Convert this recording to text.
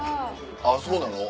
あぁそうなの？